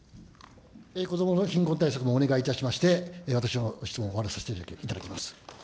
子どもの貧困対策もお願いいたしまして、私の質問は終わらせていただきます。